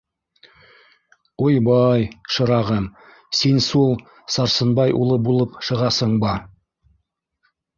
— Уйбай, шырағым, син сул Сарсынбай улы булып шығасыңба?